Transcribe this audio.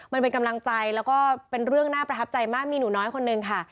มันเป็นกำลังใจแล้วก็เป็นเรื่องน่าประทับใจมากมีหนูน้อยคนนึงค่ะ